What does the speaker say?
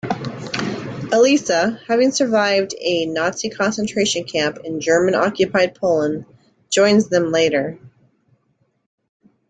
Elisa, having survived a Nazi concentration camp in German-occupied Poland, joins them later.